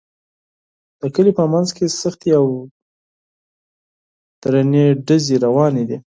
د کلي په منځ کې سختې او درندې ډزې روانې دي